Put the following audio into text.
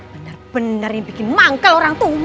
benar benar yang bikin manggal orang tua